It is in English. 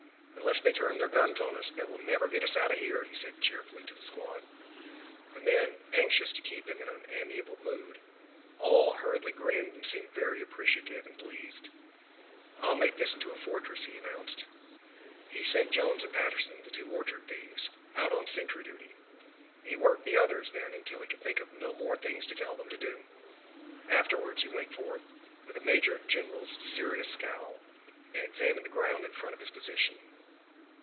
"Unless they turn guns on us, they will never get us out of here," he said cheerfully to the squad. The men, anxious to keep him in an amiable mood, all hurriedly grinned and seemed very appreciative and pleased. "I'll make this into a fortress," he announced. He sent Jones and Patterson, the two orchard thieves, out on sentry duty. He worked the others, then, until he could think of no more things to tell them to do. Afterwards he went forth, with a major general's serious scowl, and examined the ground in front of his position.